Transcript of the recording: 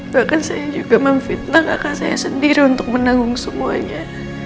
bahkan saya juga memfitnah kakak saya sendiri untuk menanggung semuanya